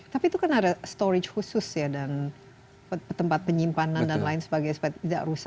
tapi itu kan ada storage khusus ya dan tempat penyimpanan dan lain sebagainya supaya tidak rusak